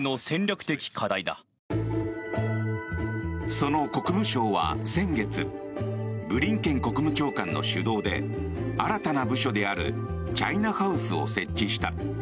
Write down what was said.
その国務省は先月ブリンケン国務長官の主導で新たな部署であるチャイナハウスを設置した。